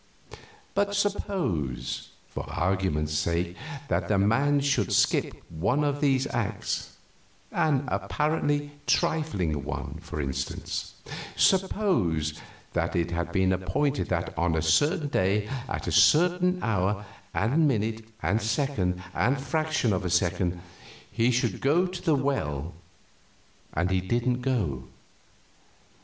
But suppose, for argument's sake, that the man should skip one of these acts; an apparently trifling one, for instance; suppose that it had been appointed that on a certain day, at a certain hour and minute and second and fraction of a second he should go to the well, and he didn't go.